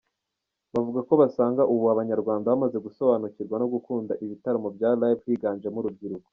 Bavuga ko basanga ubu Abanyarwanda bamaze gusobanukirwa no gukunda ibitaramo bya Live; higanjemo urubyiruko.